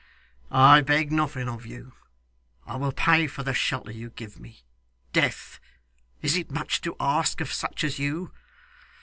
'I beg nothing of you. I will pay for the shelter you give me. Death! Is it much to ask of such as you!